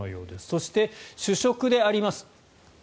そして、主食であります